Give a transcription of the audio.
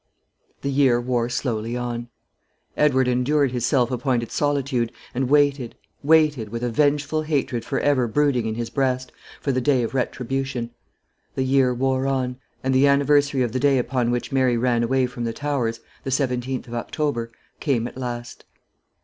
The year wore slowly on. Edward endured his self appointed solitude, and waited, waited, with a vengeful hatred for ever brooding in his breast, for the day of retribution. The year wore on, and the anniversary of the day upon which Mary ran away from the Towers, the 17th of October, came at last.